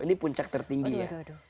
ini puncak tertinggi ya